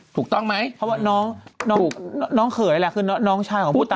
ถูกต้องไหมเพราะว่าน้องเขยแหละคือน้องชายของผู้ตาย